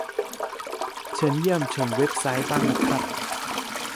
เชิญเยี่ยมชมเว็บไซต์ บ้างนะครับ